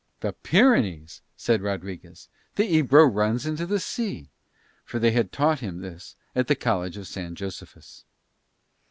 "The Pyrenees!" said Rodriguez. "The Ebro runs into the sea." For they had taught him this at the college of San Josephus.